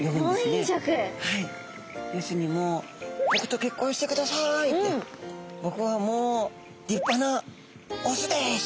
はい要するにもう「僕と結婚してください」って「僕はもう立派なオスです」。